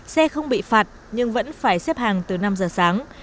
xe không bị phạt nhưng vẫn phải xếp hàng từ năm giờ sáng